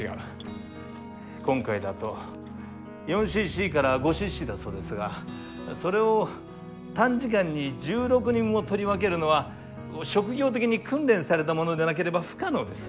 今回だと４ｃｃから５ｃｃだそうですがそれを短時間に１６人分も取り分けるのは職業的に訓練された者でなければ不可能です。